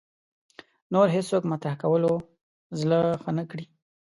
نور هېڅوک مطرح کولو زړه ښه نه کړي